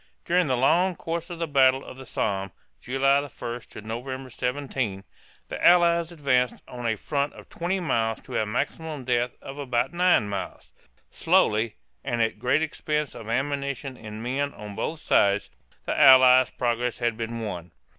During the long course of the Battle of the Somme (July 1 to November 17) the Allies advanced on a front of twenty miles to a maximum depth of about nine miles. Slowly, and at great expense of ammunition and men on both sides, the Allied progress had been won.